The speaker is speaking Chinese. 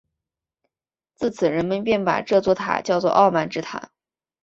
自此人们便把这座塔叫作傲慢之塔。